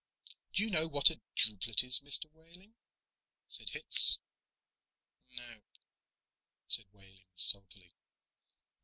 Do you know what a drupelet is, Mr. Wehling?" said Hitz. "Nope," said Wehling sulkily.